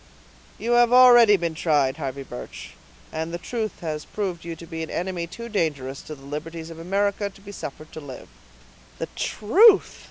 "You have already been tried, Harvey Birch; and the truth has proved you to be an enemy too dangerous to the liberties of America to be suffered to live." "The truth!"